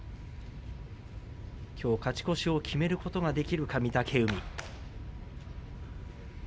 きょう勝ち越しを決めることができるか、御嶽海。